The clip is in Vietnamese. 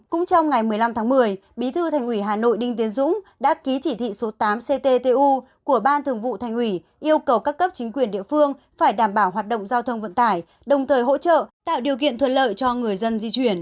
cũng trong ngày một mươi năm tháng một mươi bí thư thành ủy hà nội đinh tiến dũng đã ký chỉ thị số tám cttu của ban thường vụ thành ủy yêu cầu các cấp chính quyền địa phương phải đảm bảo hoạt động giao thông vận tải đồng thời hỗ trợ tạo điều kiện thuận lợi cho người dân di chuyển